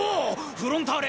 フロンターレ